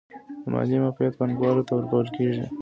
د مالیې معافیت پانګوالو ته ورکول کیږي